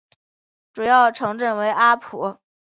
主要城镇为阿普。